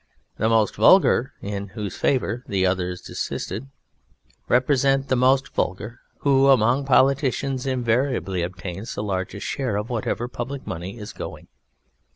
The_ MOST VULGAR in whose favour the others desist, represents the MOST VULGAR _who, among Politicians, invariably obtains the largest share of whatever public money is going.